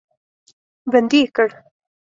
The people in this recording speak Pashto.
بندي یې کړ.